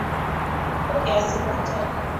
Pokea sifa tele.